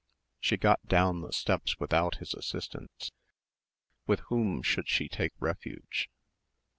She got down the steps without his assistance. With whom should she take refuge?